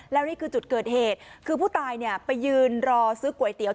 แล้วนี่คือจุดเกิดเหตุคือผู้ตายเนี่ยไปยืนรอซื้อก๋วยเตี๋ย